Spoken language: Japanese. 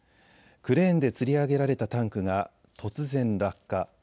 クレーンでつり上げられたタンクが突然落下。